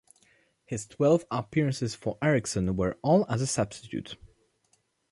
His twelve appearances for Eriksson were all as a substitute.